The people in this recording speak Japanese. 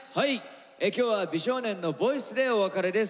今日は美少年のボイスでお別れです。